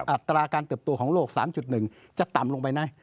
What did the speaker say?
อัตราการเติบโตของโลก๓๑จะต่ำลงไปนะ